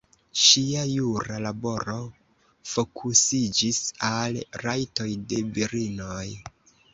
Ŝia jura laboro fokusiĝis al rajtoj de virinoj.